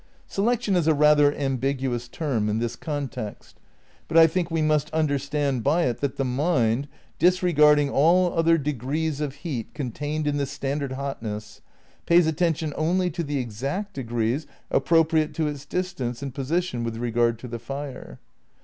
^ Selection is a rather ambiguous term in this context, but I think we must understand by it that the mind, disregarding all other degrees of heat con tained in the standard hotness, pays attention only to the exact degrees appropriate to its distance and posi tion with regard to the fire.